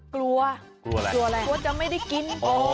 กลัวว่าจะไม่ได้กิน